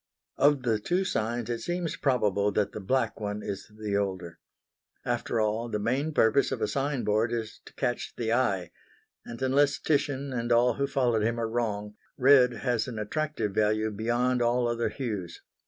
Of the two signs it seems probable that the black one is the older. After all, the main purpose of a sign board is to catch the eye, and unless Titian and all who followed him are wrong, red has an attractive value beyond all other hues.